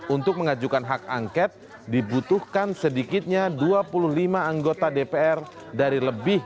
untuk mengajukan hak angket dibutuhkan sedikitnya dua puluh lima anggota dpr dari lebih